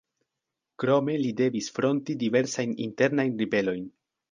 Krome li devis fronti diversajn internajn ribelojn.